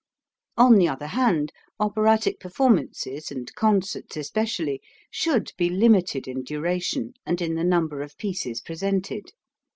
On the other hand, operatic performances, and concerts especially, should be limited in duration and in the number of pieces pre sented.